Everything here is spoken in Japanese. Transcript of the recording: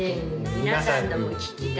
皆さんのも聞きたかった。